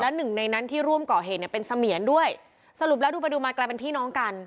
หนึ่งในนั้นที่ร่วมก่อเหตุเนี่ยเป็นเสมียนด้วยสรุปแล้วดูไปดูมากลายเป็นพี่น้องกัน